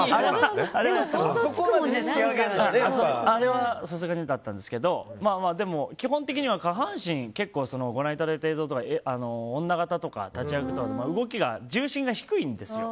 あれはさすがにだったんですけど、基本的には下半身、結構ご覧いただいた映像とは女形とか立役とか重心が低いんですよ。